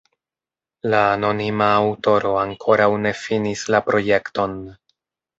La anonima aŭtoro ankoraŭ ne finis la projekton.